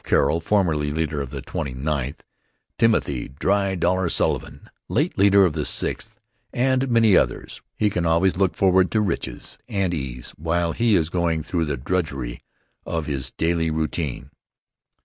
Carroll, formerly leader of the Twenty ninth; Timothy ("Dry Dollar") Sullivan, late leader of the Sixth, and many others, he can always look forward to riches and ease while he is going through the drudgery of his daily routine.